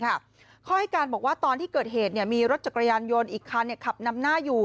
เขาให้การบอกว่าตอนที่เกิดเหตุมีรถจักรยานยนต์อีกคันขับนำหน้าอยู่